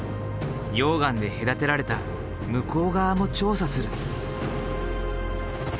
溶岩で隔てられた向こう側も調査する。